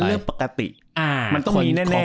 เรื่องปกติมันต้องมีแน่